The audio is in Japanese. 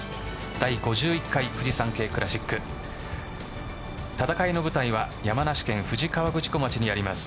第５１回フジサンケイクラシック戦いの舞台は山梨県富士河口湖町にあります。